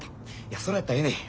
それやったらええねん。